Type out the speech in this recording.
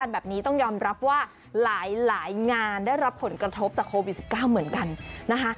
แบบนี้ต้องยอมรับว่าหลายงานได้รับผลกระทบจากโควิด๑๙เหมือนกันนะคะ